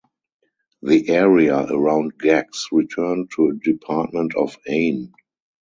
The area around Gex returned to department of Ain.